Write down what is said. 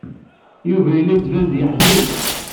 Yuba yella yettban-d yeḥzen.